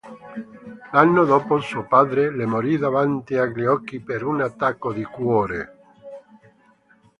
L'anno dopo suo padre le morì davanti agli occhi per un attacco di cuore.